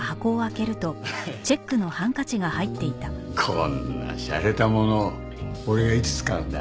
こんなしゃれたもの俺がいつ使うんだ？